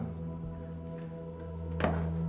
dia belum pulang